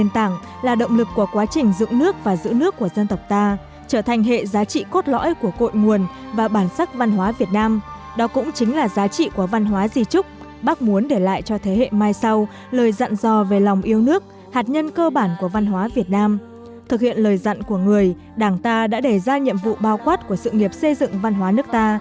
trong đó có nhiều suy nghĩ tư tưởng lớn của người đảng ta đã đề ra nhiệm vụ bao quát của sự nghiệp xây dựng văn hóa nước ta